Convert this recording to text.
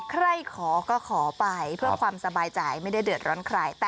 ใครขอก็ขอไปเพื่อความสบายใจไม่ได้เดือดร้อนใคร